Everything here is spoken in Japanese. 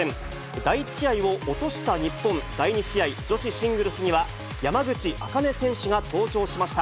第１試合を落とした日本、第２試合、女子シングルスには、山口茜選手が登場しました。